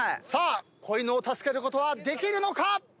子犬を助けることはできるのか？